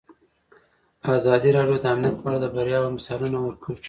ازادي راډیو د امنیت په اړه د بریاوو مثالونه ورکړي.